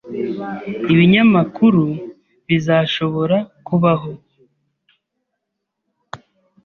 Ibinyamakuru bizashobora kubaho?